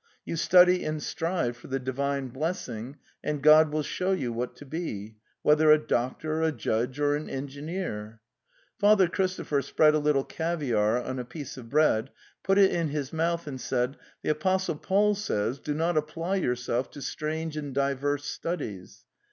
. You study and strive for the divine blessing, and God will show you what to be. Whether a doctor, a judge or an engi NECEN Esha Father Christopher spread a little caviare on a piece of bread, put it in his mouth and said: 'The Apostle Paul says: 'Do not apply your self to strange and diverse studies.